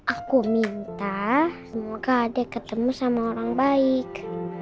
aku minta semoga adik ketemu sama orang baik